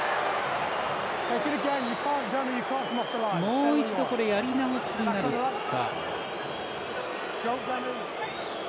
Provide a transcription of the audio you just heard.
もう一度、やり直しになるか。